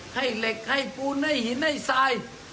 ให้เหล็กให้ปูนให้หินให้ทราย